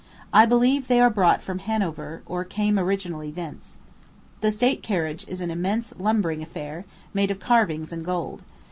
I believe they are brought from Hanover, or came originally thence. The state carriage is an immense lumbering affair, made of carvings and gold.